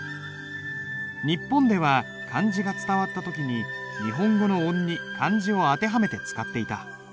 日本では漢字が伝わった時に日本語の音に漢字を当てはめて使っていた。